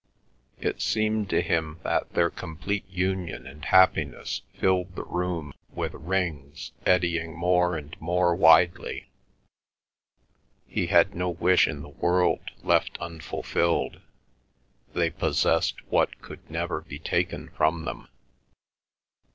It seemed to him that their complete union and happiness filled the room with rings eddying more and more widely. He had no wish in the world left unfulfilled. They possessed what could never be taken from them.